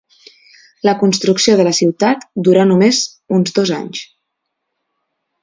La construcció de la ciutat durà només uns dos anys.